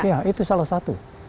iya itu salah satu